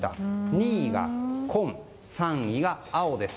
２位が紺、３位が青です。